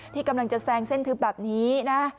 ที่กำลังจะแซงเส้นทึบแบบนี้นะ